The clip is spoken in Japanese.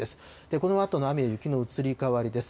このあとの雨や雪の移り変わりです。